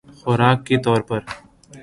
خوراک کے طور پر